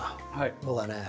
僕はね